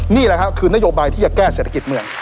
นี่แหละครับคือนโยบายที่จะแก้เศรษฐกิจเมือง